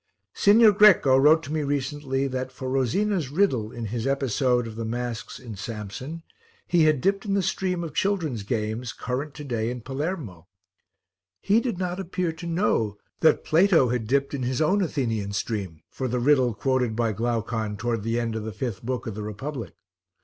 Signor Greco wrote to me recently that, for Rosina's riddle in his episode of the masks in Samson, he had dipped in the stream of children's games current to day in Palermo; he did not appear to know that Plato had dipped in his own Athenian stream for the riddle quoted by Glaucon towards the end of the fifth book of the Republic.